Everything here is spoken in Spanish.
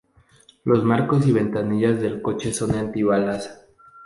Los marcos y ventanillas del coche son antibalas.